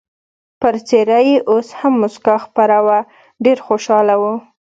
پر څېره یې اوس هم مسکا خپره وه، ډېر خوشحاله و.